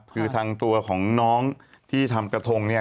คือทางตัวของน้องที่ทำกระทงเนี่ย